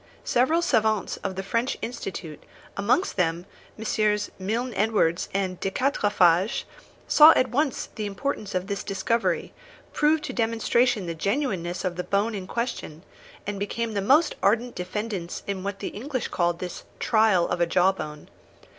Several savants of the French Institute, and amongst them MM. Milne Edwards and de Quatrefages, saw at once the importance of this discovery, proved to demonstration the genuineness of the bone in question, and became the most ardent defendants in what the English called this 'trial of a jawbone.'